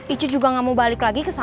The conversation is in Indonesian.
icu juga gak mau balik lagi ke sana